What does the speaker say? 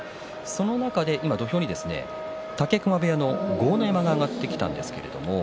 その中で土俵に武隈部屋の豪ノ山が上がっていきました。